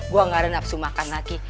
gue gak ada nafsu makan lagi